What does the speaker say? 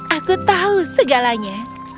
aku tahu segalanya